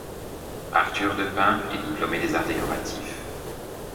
Arthur de Pins est diplômé des Arts décoratifs.